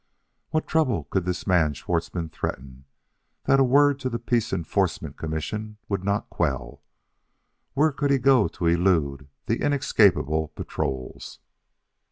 What trouble could this man Schwartzmann threaten that a word to the Peace Enforcement Commission would not quell? Where could he go to elude the inescapable patrols?